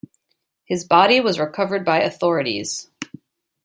His body was recovered by authorities.